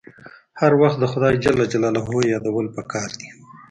هر وخت د خدای یادول پکار دي.